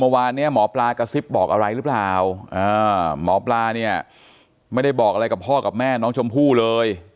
เมื่อวานเนี่ยหมอปลากระซิบบอกอะไรหรือเปล่าหมอปลาเนี่ยไม่ได้บอกอะไรกับพ่อกับแม่น้องชมพู่เลย